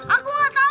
aku gak tau